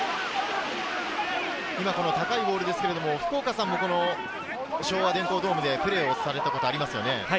高いボールですけれど、福岡さんも昭和電工ドームでプレーをされたことありますよね。